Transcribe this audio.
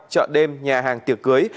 chợ đêm nhà hàng tiệc cưới